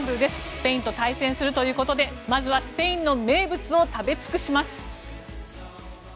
スペインと対戦するということでまずはスペインの名物を食べ尽くします。